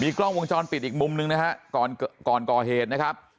กล้องวงจรปิดอีกมุมหนึ่งนะฮะก่อนก่อนก่อเหตุนะครับ